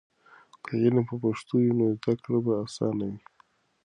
که علم په پښتو وي، نو زده کړه به اسانه وي.